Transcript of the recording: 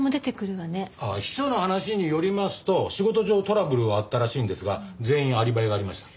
秘書の話によりますと仕事上トラブルはあったらしいんですが全員アリバイがありました。